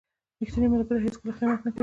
• ریښتینی ملګری هیڅکله خیانت نه کوي.